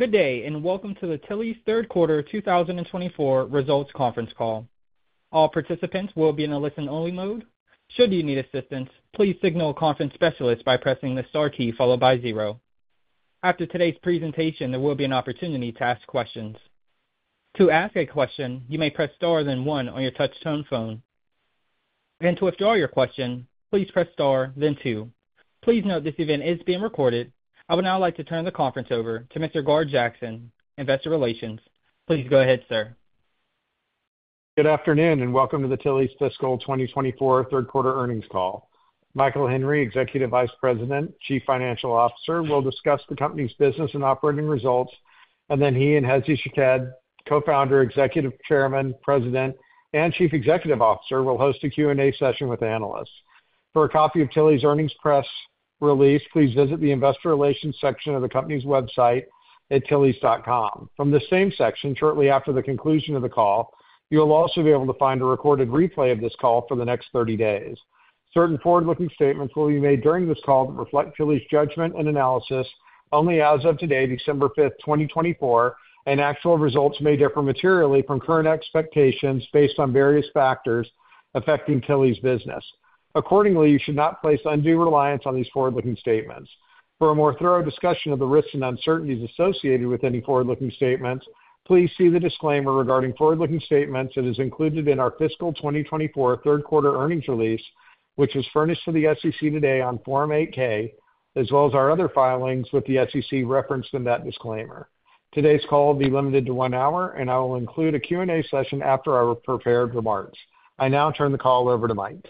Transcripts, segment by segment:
Good day, and welcome to the Tilly's Third Quarter 2024 Results Conference Call. All participants will be in a listen-only mode. Should you need assistance, please signal a conference specialist by pressing the star key followed by zero. After today's presentation, there will be an opportunity to ask questions. To ask a question, you may press star then one on your touch-tone phone, and to withdraw your question, please press star then two. Please note this event is being recorded. I would now like to turn the conference over to Mr. Garth Jackson, Investor Relations. Please go ahead, sir. Good afternoon, and welcome to the Tilly's Fiscal 2024 Third Quarter Earnings Call. Michael Henry, Executive Vice President, Chief Financial Officer, will discuss the company's business and operating results, and then he and Hezy Shaked, Co-Founder, Executive Chairman, President, and Chief Executive Officer, will host a Q&A session with analysts. For a copy of Tilly's Earnings Press release, please visit the Investor Relations section of the company's website at tillys.com. From the same section, shortly after the conclusion of the call, you will also be able to find a recorded replay of this call for the next 30 days. Certain forward-looking statements will be made during this call that reflect Tilly's judgment and analysis. Only as of today, December 5th, 2024, and actual results may differ materially from current expectations based on various factors affecting Tilly's business. Accordingly, you should not place undue reliance on these forward-looking statements. For a more thorough discussion of the risks and uncertainties associated with any forward-looking statements, please see the disclaimer regarding forward-looking statements that is included in our Fiscal 2024 Third Quarter Earnings Release, which was furnished to the SEC today on Form 8-K, as well as our other filings with the SEC referenced in that disclaimer. Today's call will be limited to one hour, and I will include a Q&A session after our prepared remarks. I now turn the call over to Mike.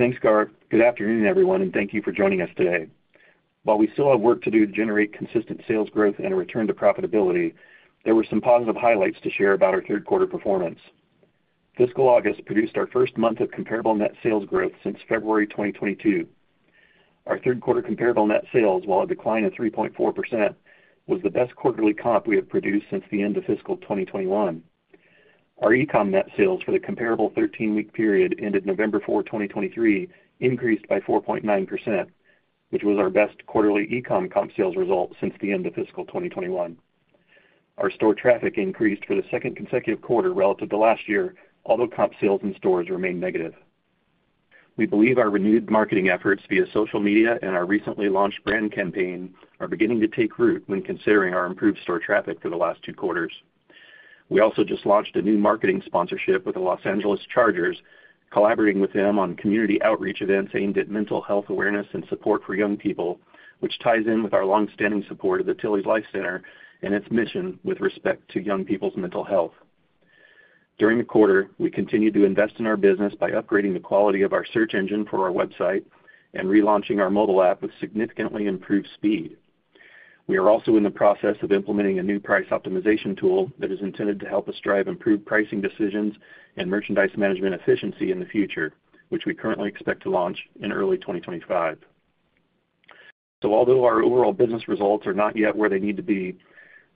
Thanks, Garth. Good afternoon, everyone, and thank you for joining us today. While we still have work to do to generate consistent sales growth and a return to profitability, there were some positive highlights to share about our third-quarter performance. Fiscal August produced our first month of comparable net sales growth since February 2022. Our third-quarter comparable net sales, while a decline of 3.4%, was the best quarterly comp we have produced since the end of Fiscal 2021. Our e-com net sales for the comparable 13-week period ended November 4, 2023, increased by 4.9%, which was our best quarterly e-com comp sales result since the end of Fiscal 2021. Our store traffic increased for the second consecutive quarter relative to last year, although comp sales in stores remained negative. We believe our renewed marketing efforts via social media and our recently launched brand campaign are beginning to take root when considering our improved store traffic for the last two quarters. We also just launched a new marketing sponsorship with the Los Angeles Chargers, collaborating with them on community outreach events aimed at mental health awareness and support for young people, which ties in with our longstanding support of the Tilly's Life Center and its mission with respect to young people's mental health. During the quarter, we continue to invest in our business by upgrading the quality of our search engine for our website and relaunching our mobile app with significantly improved speed. We are also in the process of implementing a new price optimization tool that is intended to help us drive improved pricing decisions and merchandise management efficiency in the future, which we currently expect to launch in early 2025, so although our overall business results are not yet where they need to be,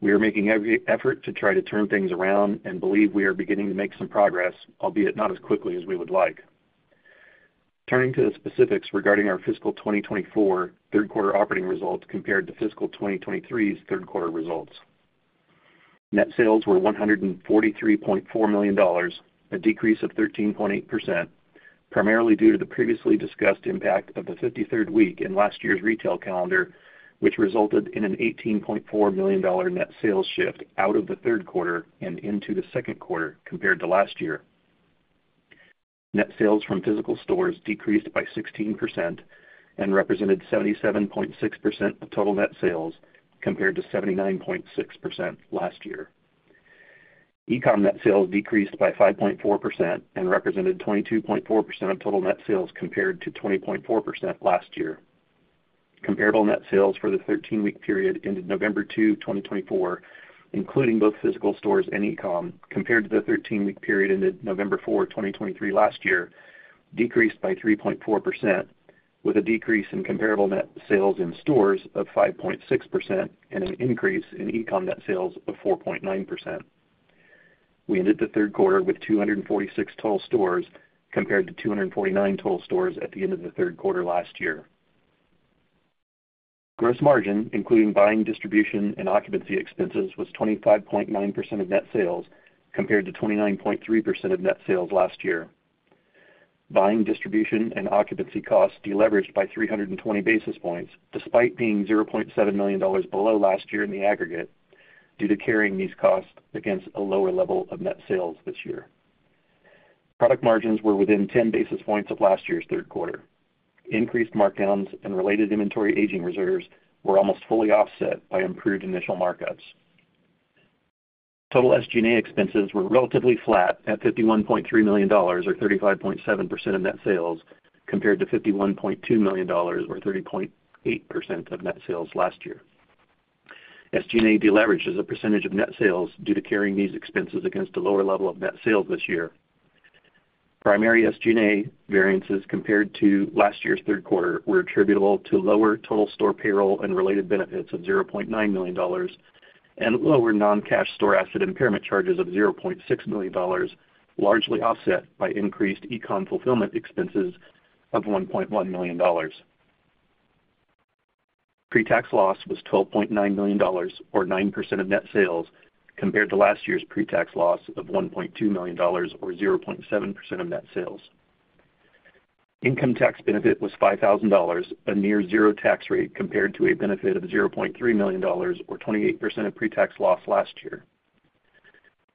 we are making every effort to try to turn things around and believe we are beginning to make some progress, albeit not as quickly as we would like. Turning to the specifics regarding our Fiscal 2024 Third Quarter operating results compared to Fiscal 2023's Third Quarter results, net sales were $143.4 million, a decrease of 13.8%, primarily due to the previously discussed impact of the 53rd week in last year's retail calendar, which resulted in an $18.4 million net sales shift out of the third quarter and into the second quarter compared to last year. Net sales from physical stores decreased by 16% and represented 77.6% of total net sales compared to 79.6% last year. E-comm net sales decreased by 5.4% and represented 22.4% of total net sales compared to 20.4% last year. Comparable net sales for the 13-week period ended November 2, 2024, including both physical stores and e-com, compared to the 13-week period ended November 4, 2023, last year, decreased by 3.4%, with a decrease in comparable net sales in stores of 5.6% and an increase in e-com net sales of 4.9%. We ended the third quarter with 246 total stores compared to 249 total stores at the end of the third quarter last year. Gross margin, including buying distribution and occupancy expenses, was 25.9% of net sales compared to 29.3% of net sales last year. Buying, distribution, and occupancy costs deleveraged by 320 basis points, despite being $0.7 million below last year in the aggregate, due to carrying these costs against a lower level of net sales this year. Product margins were within 10 basis points of last year's third quarter. Increased markdowns and related inventory aging reserves were almost fully offset by improved initial markups. Total SG&A expenses were relatively flat at $51.3 million, or 35.7% of net sales, compared to $51.2 million, or 30.8% of net sales last year. SG&A deleveraged as a percentage of net sales due to carrying these expenses against a lower level of net sales this year. Primary SG&A variances compared to last year's third quarter were attributable to lower total store payroll and related benefits of $0.9 million and lower non-cash store asset impairment charges of $0.6 million, largely offset by increased e-comm fulfillment expenses of $1.1 million. Pre-tax loss was $12.9 million, or 9% of net sales, compared to last year's pre-tax loss of $1.2 million, or 0.7% of net sales. Income tax benefit was $5,000, a near-zero tax rate compared to a benefit of $0.3 million, or 28% of pre-tax loss last year.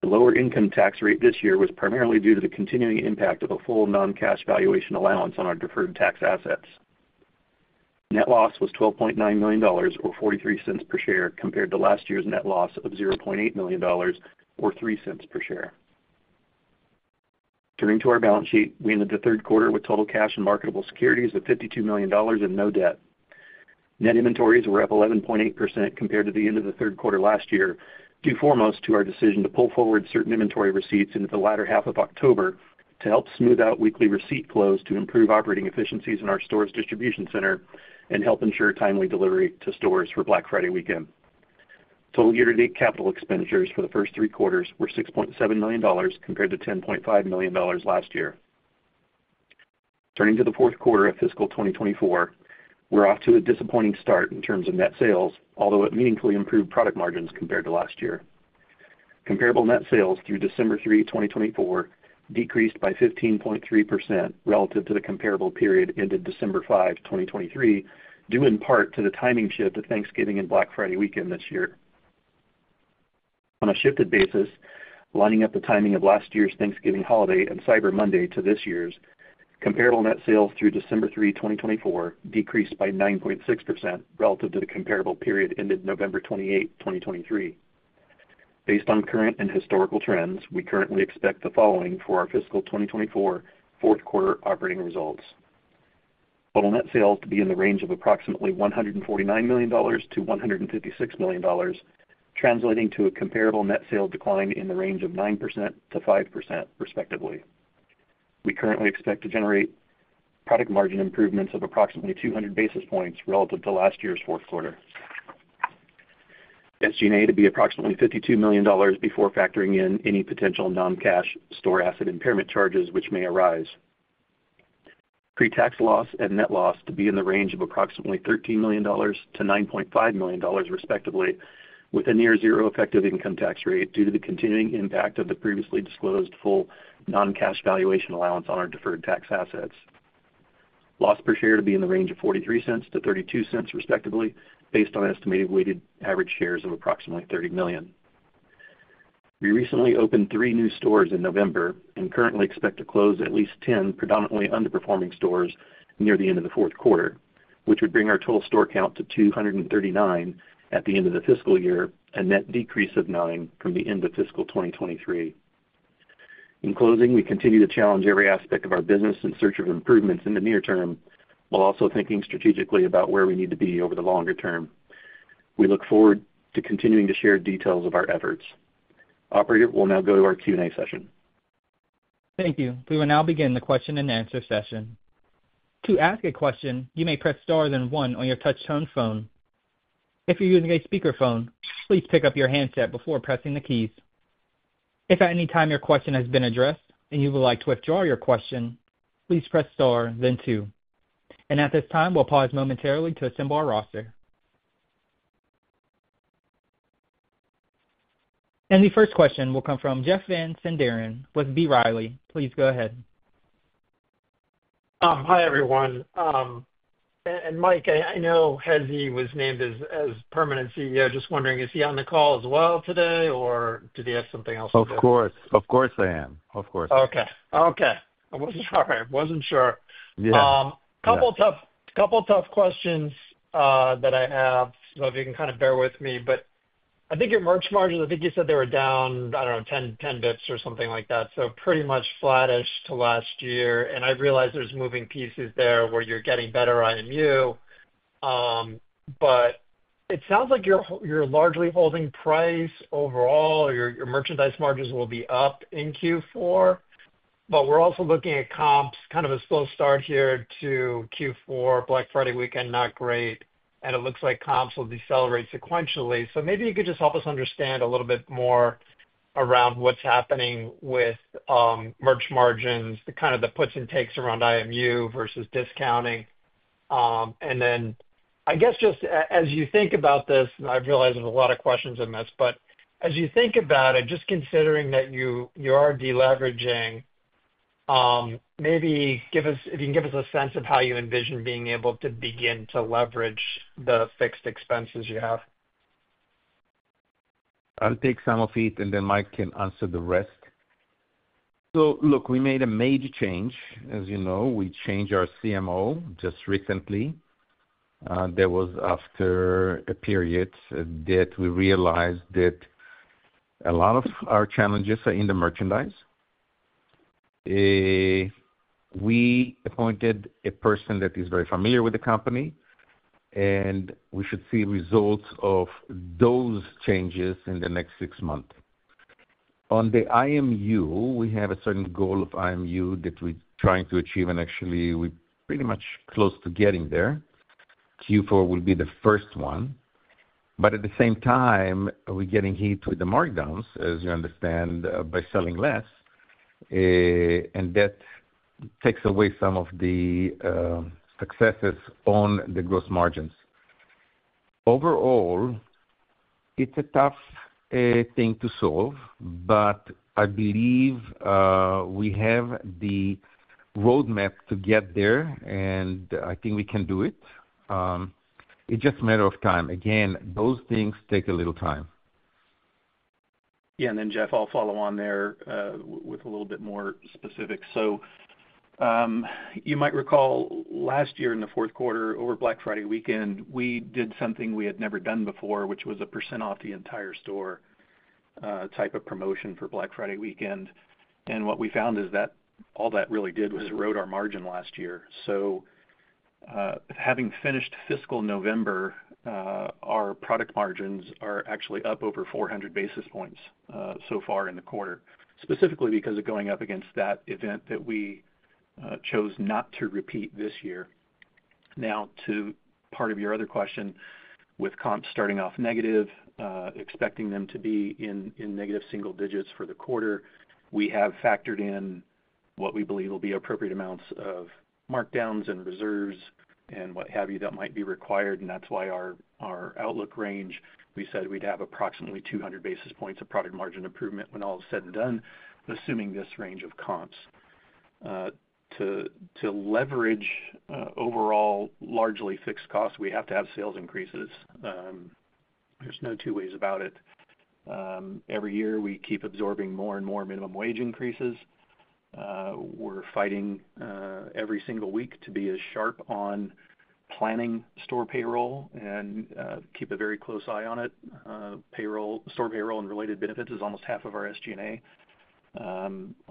The lower income tax rate this year was primarily due to the continuing impact of a full non-cash valuation allowance on our deferred tax assets. Net loss was $12.9 million, or $0.43 per share, compared to last year's net loss of $0.8 million, or $0.03 per share. Turning to our balance sheet, we ended the third quarter with total cash and marketable securities of $52 million and no debt. Net inventories were up 11.8% compared to the end of the third quarter last year, due foremost to our decision to pull forward certain inventory receipts into the latter half of October to help smooth out weekly receipt flows to improve operating efficiencies in our stores' distribution center and help ensure timely delivery to stores for Black Friday weekend. Total year-to-date capital expenditures for the first three quarters were $6.7 million compared to $10.5 million last year. Turning to the fourth quarter of Fiscal 2024, we're off to a disappointing start in terms of net sales, although it meaningfully improved product margins compared to last year. Comparable net sales through December 3, 2024, decreased by 15.3% relative to the comparable period ended December 5, 2023, due in part to the timing shift to Thanksgiving and Black Friday weekend this year. On a shifted basis, lining up the timing of last year's Thanksgiving holiday and Cyber Monday to this year's, comparable net sales through December 3, 2024, decreased by 9.6% relative to the comparable period ended November 28, 2023. Based on current and historical trends, we currently expect the following for our Fiscal 2024 Fourth Quarter operating results: total net sales to be in the range of approximately $149 million-$156 million, translating to a comparable net sales decline in the range of 9%-5%, respectively. We currently expect to generate product margin improvements of approximately 200 basis points relative to last year's fourth quarter. SG&A to be approximately $52 million before factoring in any potential non-cash store asset impairment charges which may arise. Pre-tax loss and net loss to be in the range of approximately $13 million-$9.5 million, respectively, with a near-zero effective income tax rate due to the continuing impact of the previously disclosed full non-cash valuation allowance on our deferred tax assets. Loss per share to be in the range of $0.43-$0.32, respectively, based on estimated weighted average shares of approximately 30 million. We recently opened three new stores in November and currently expect to close at least 10 predominantly underperforming stores near the end of the fourth quarter, which would bring our total store count to 239 at the end of the fiscal year and net decrease of nine from the end of Fiscal 2023. In closing, we continue to challenge every aspect of our business in search of improvements in the near term, while also thinking strategically about where we need to be over the longer term. We look forward to continuing to share details of our efforts. Operator will now go to our Q&A session. Thank you. We will now begin the question and answer session. To ask a question, you may press star then one on your touch-tone phone. If you're using a speakerphone, please pick up your handset before pressing the keys. If at any time your question has been addressed and you would like to withdraw your question, please press star then two, and at this time, we'll pause momentarily to assemble our roster, and the first question will come from Jeff Van Sinderen and Darren with B. Riley. Please go ahead. Hi, everyone. And Mike, I know Hezy was named as permanent CEO. Just wondering, is he on the call as well today, or did he have something else to say? Of course. Of course I am. Of course. Okay. I wasn't sure. Yeah. of tough questions that I have, so if you can kind of bear with me, but I think your merch margins, I think you said they were down, I don't know, 10 basis points or something like that, so pretty much flattish to last year, and I realize there's moving pieces there where you're getting better IMU. But it sounds like you're largely holding price overall, your merchandise margins will be up in Q4, but we're also looking at comps kind of a slow start here to Q4, Black Friday weekend, not great, and it looks like comps will decelerate sequentially, so maybe you could just help us understand a little bit more around what's happening with merch margins, the kind of puts and takes around IMU versus discounting. And then, I guess, just as you think about this, and I realize there's a lot of questions in this, but as you think about it, just considering that you are deleveraging, maybe if you can give us a sense of how you envision being able to begin to leverage the fixed expenses you have? I'll take some of it, and then Mike can answer the rest. So look, we made a major change. As you know, we changed our CMO just recently. That was after a period that we realized that a lot of our challenges are in the merchandise. We appointed a person that is very familiar with the company, and we should see results of those changes in the next six months. On the IMU, we have a certain goal of IMU that we're trying to achieve, and actually, we're pretty much close to getting there. Q4 will be the first one. But at the same time, we're getting hit with the markdowns, as you understand, by selling less, and that takes away some of the successes on the gross margins. Overall, it's a tough thing to solve, but I believe we have the roadmap to get there, and I think we can do it. It's just a matter of time. Again, those things take a little time. Yeah. And then, Jeff, I'll follow on there with a little bit more specifics. So you might recall last year in the fourth quarter, over Black Friday weekend, we did something we had never done before, which was a % off the entire store type of promotion for Black Friday weekend. And what we found is that all that really did was it rode our margin last year. So having finished fiscal November, our product margins are actually up over 400 basis points so far in the quarter, specifically because of going up against that event that we chose not to repeat this year. Now, to part of your other question, with comps starting off negative, expecting them to be in negative single digits for the quarter, we have factored in what we believe will be appropriate amounts of markdowns and reserves and what have you that might be required. And that's why our outlook range, we said we'd have approximately 200 basis points of product margin improvement when all is said and done, assuming this range of comps. To leverage overall largely fixed costs, we have to have sales increases. There's no two ways about it. Every year, we keep absorbing more and more minimum wage increases. We're fighting every single week to be as sharp on planning store payroll and keep a very close eye on it. Store payroll and related benefits is almost half of our SG&A.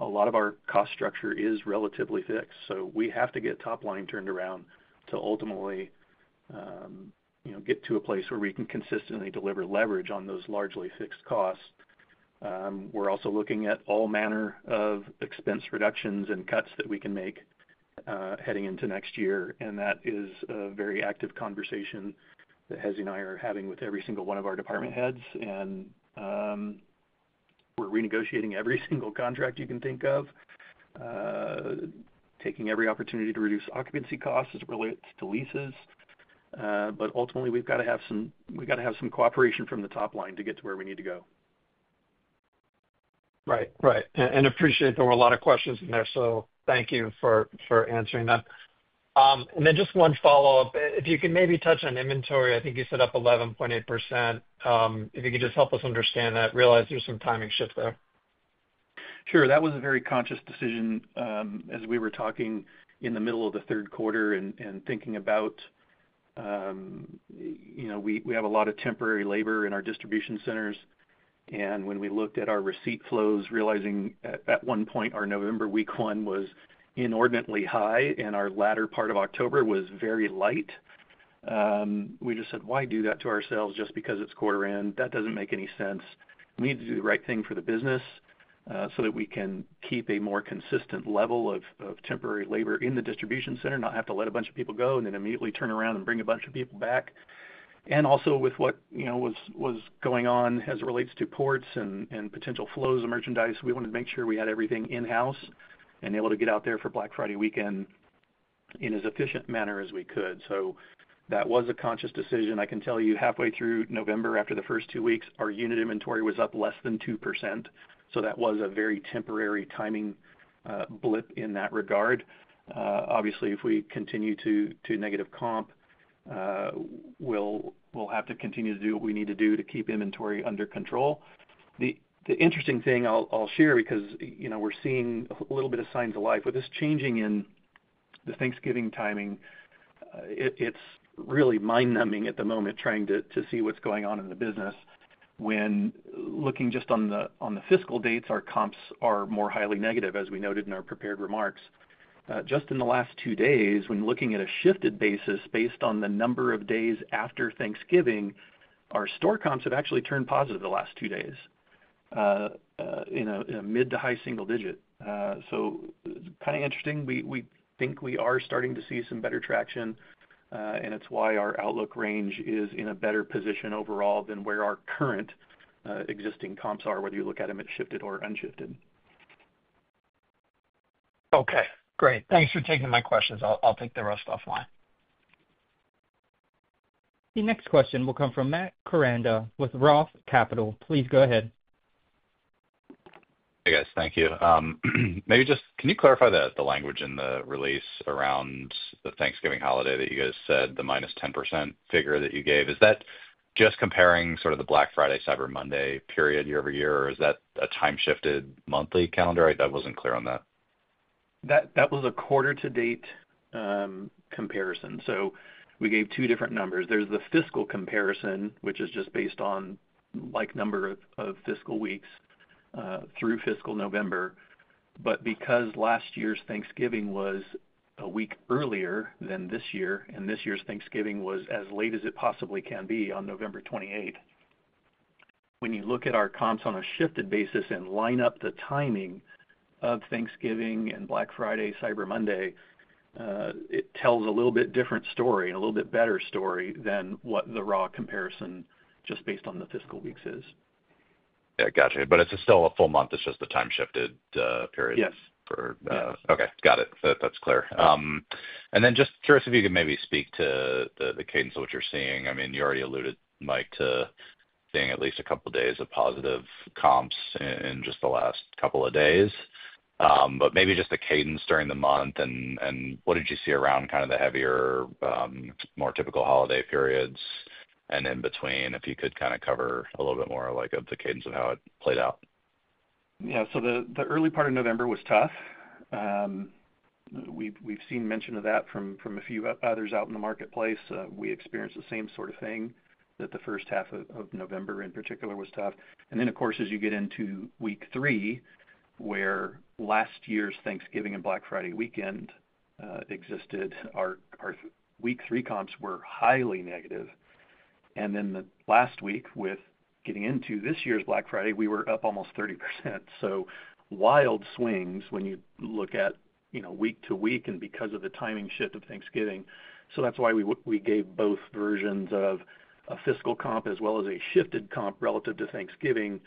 A lot of our cost structure is relatively fixed, so we have to get top line turned around to ultimately get to a place where we can consistently deliver leverage on those largely fixed costs. We're also looking at all manner of expense reductions and cuts that we can make heading into next year. That is a very active conversation that Hezy and I are having with every single one of our department heads. We're renegotiating every single contract you can think of, taking every opportunity to reduce occupancy costs as it relates to leases. Ultimately, we've got to have some cooperation from the top line to get to where we need to go. Right. Right. And I appreciate there were a lot of questions in there, so thank you for answering them. And then just one follow-up. If you can maybe touch on inventory, I think you said up 11.8%. If you could just help us understand that, realize there's some timing shift there. Sure. That was a very conscious decision as we were talking in the middle of the third quarter and thinking about we have a lot of temporary labor in our distribution centers, and when we looked at our receipt flows, realizing at one point our November week one was inordinately high and our latter part of October was very light, we just said, "Why do that to ourselves just because it's quarter end? That doesn't make any sense. We need to do the right thing for the business so that we can keep a more consistent level of temporary labor in the distribution center, not have to let a bunch of people go and then immediately turn around and bring a bunch of people back, and also with what was going on as it relates to ports and potential flows of merchandise, we wanted to make sure we had everything in-house and able to get out there for Black Friday weekend in as efficient manner as we could. So that was a conscious decision. I can tell you halfway through November, after the first two weeks, our unit inventory was up less than 2%. So that was a very temporary timing blip in that regard. Obviously, if we continue to negative comp, we'll have to continue to do what we need to do to keep inventory under control. The interesting thing I'll share because we're seeing a little bit of signs of life. With this changing in the Thanksgiving timing, it's really mind-numbing at the moment trying to see what's going on in the business when looking just on the fiscal dates, our comps are more highly negative, as we noted in our prepared remarks. Just in the last two days, when looking at a shifted basis based on the number of days after Thanksgiving, our store comps have actually turned positive the last two days in a mid- to high-single-digit. So it's kind of interesting. We think we are starting to see some better traction, and it's why our outlook range is in a better position overall than where our current existing comps are, whether you look at them at shifted or unshifted. Okay. Great. Thanks for taking my questions. I'll take the rest offline. The next question will come from Matt Koranda with Roth Capital. Please go ahead. Hey, guys. Thank you. Maybe just can you clarify the language in the release around the Thanksgiving holiday that you guys said, the -10% figure that you gave? Is that just comparing sort of the Black Friday, Cyber Monday period year over year, or is that a time-shifted monthly calendar? I wasn't clear on that. That was a quarter-to-date comparison. So we gave two different numbers. There's the fiscal comparison, which is just based on number of fiscal weeks through fiscal November. But because last year's Thanksgiving was a week earlier than this year, and this year's Thanksgiving was as late as it possibly can be on November 28th, when you look at our comps on a shifted basis and line up the timing of Thanksgiving and Black Friday, Cyber Monday, it tells a little bit different story, a little bit better story than what the raw comparison just based on the fiscal weeks is. Yeah. Gotcha. But it's still a full month. It's just the time-shifted period. Yes. For. Yes. Okay. Got it. That's clear. And then just curious if you could maybe speak to the cadence of what you're seeing. I mean, you already alluded, Mike, to seeing at least a couple of days of positive comps in just the last couple of days. But maybe just the cadence during the month, and what did you see around kind of the heavier, more typical holiday periods and in between? If you could kind of cover a little bit more of the cadence of how it played out? Yeah. So the early part of November was tough. We've seen mention of that from a few others out in the marketplace. We experienced the same sort of thing, that the first half of November in particular was tough. And then, of course, as you get into week three, where last year's Thanksgiving and Black Friday weekend existed, our week three comps were highly negative. And then the last week, with getting into this year's Black Friday, we were up almost 30%. So wild swings when you look at week to week and because of the timing shift of Thanksgiving. So that's why we gave both versions of a fiscal comp as well as a shifted comp relative to Thanksgiving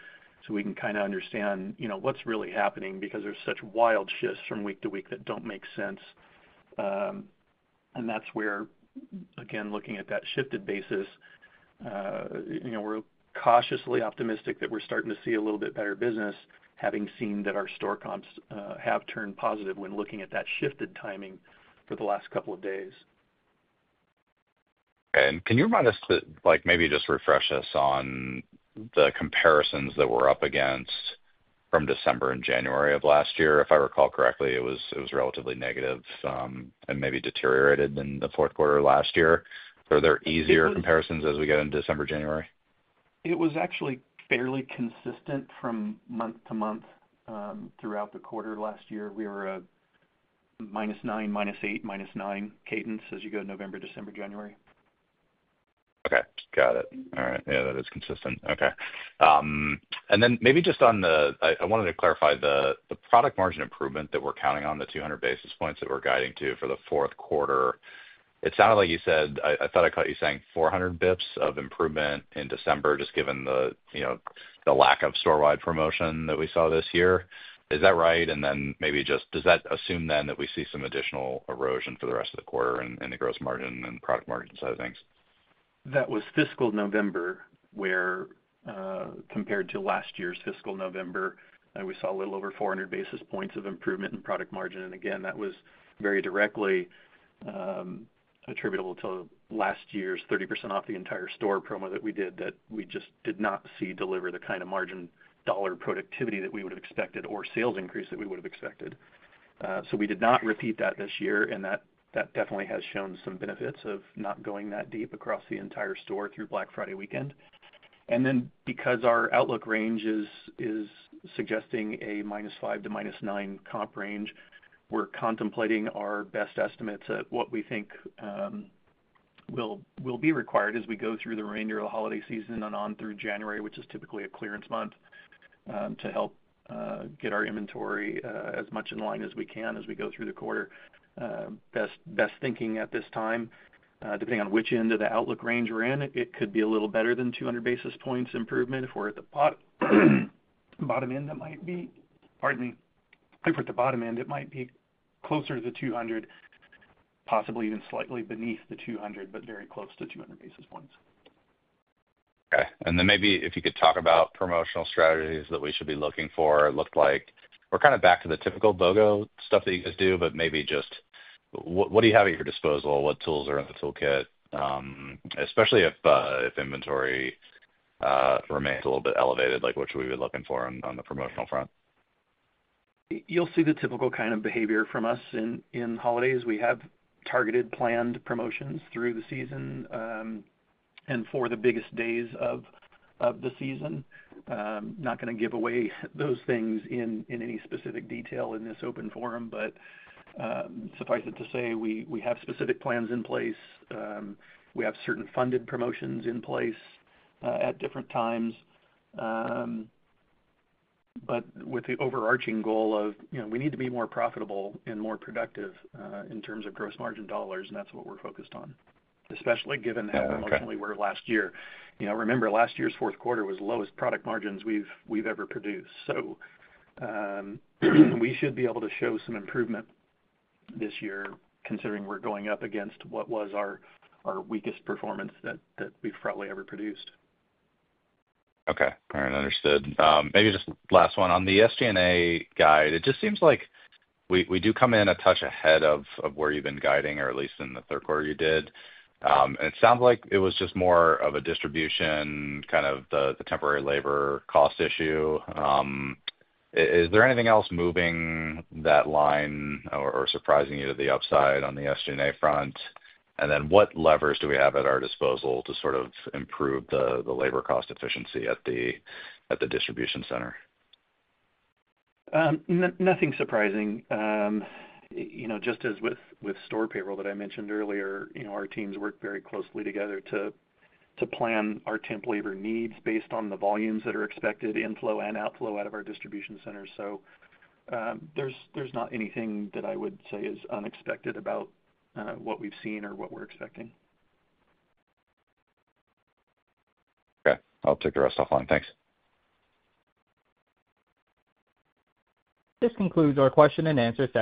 so we can kind of understand what's really happening because there's such wild shifts from week to week that don't make sense. That's where, again, looking at that shifted basis, we're cautiously optimistic that we're starting to see a little bit better business, having seen that our store comps have turned positive when looking at that shifted timing for the last couple of days. Can you remind us to maybe just refresh us on the comparisons that we're up against from December and January of last year? If I recall correctly, it was relatively negative and maybe deteriorated in the fourth quarter of last year. Are there easier comparisons as we get into December, January? It was actually fairly consistent from month to month throughout the quarter last year. We were a -9%, -8%, -9% cadence as you go November, December, January. Okay. Got it. All right. Yeah. That is consistent. Okay. And then maybe just on the I wanted to clarify the product margin improvement that we're counting on, the 200 basis points that we're guiding to for the fourth quarter. It sounded like you said I thought I caught you saying 400 basis points of improvement in December, just given the lack of store-wide promotion that we saw this year. Is that right? And then maybe just does that assume then that we see some additional erosion for the rest of the quarter in the gross margin and product margin sizings? That was fiscal November where compared to last year's fiscal November, we saw a little over 400 basis points of improvement in product margin. And again, that was very directly attributable to last year's 30% off the entire store promo that we did that we just did not see deliver the kind of margin dollar productivity that we would have expected or sales increase that we would have expected. So we did not repeat that this year, and that definitely has shown some benefits of not going that deep across the entire store through Black Friday weekend. And then because our outlook range is suggesting a -5% to -9% comp range, we're contemplating our best estimates at what we think will be required as we go through the remainder of the holiday season and on through January, which is typically a clearance month, to help get our inventory as much in line as we can as we go through the quarter. Best thinking at this time, depending on which end of the outlook range we're in, it could be a little better than 200 basis points improvement. If we're at the bottom end, that might be, pardon me, closer to the 200, possibly even slightly beneath the 200, but very close to 200 basis points. Okay. And then maybe if you could talk about promotional strategies that we should be looking for. It looked like we're kind of back to the typical BOGO stuff that you guys do, but maybe just what do you have at your disposal? What tools are in the toolkit, especially if inventory remains a little bit elevated, like what should we be looking for on the promotional front? You'll see the typical kind of behavior from us in holidays. We have targeted planned promotions through the season and for the biggest days of the season. Not going to give away those things in any specific detail in this open forum, but suffice it to say, we have specific plans in place. We have certain funded promotions in place at different times, but with the overarching goal of we need to be more profitable and more productive in terms of gross margin dollars, and that's what we're focused on, especially given how anomalously we were last year. Remember, last year's fourth quarter was the lowest product margins we've ever produced. So we should be able to show some improvement this year, considering we're going up against what was our weakest performance that we've probably ever produced. Okay. All right. Understood. Maybe just last one on the SG&A guide. It just seems like we do come in a touch ahead of where you've been guiding, or at least in the third quarter you did. And it sounds like it was just more of a distribution, kind of the temporary labor cost issue. Is there anything else moving that line or surprising you to the upside on the SG&A front? And then what levers do we have at our disposal to sort of improve the labor cost efficiency at the distribution center? Nothing surprising. Just as with store payroll that I mentioned earlier, our teams work very closely together to plan our temp labor needs based on the volumes that are expected inflow and outflow of our distribution centers. So there's not anything that I would say is unexpected about what we've seen or what we're expecting. Okay. I'll take the rest offline. Thanks. This concludes our question and answer session.